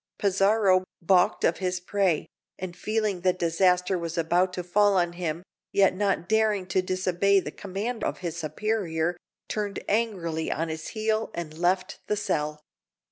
Pizarro, baulked of his prey, and feeling that disaster was about to fall on him, yet not daring to disobey the command of his superior, turned angrily on his heel, and left the cell.